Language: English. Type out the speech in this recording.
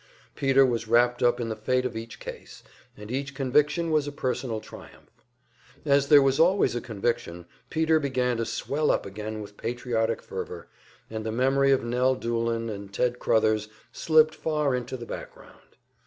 Peter was wrapped up in the fate of each case, and each conviction was a personal triumph. As there was always a conviction, Peter began to swell up again with patriotic fervor, and the memory of Nell Doolin and Ted Crothers slipped far into the background.